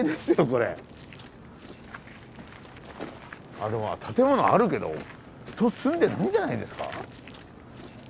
あでも建物あるけど人住んでないんじゃないですか？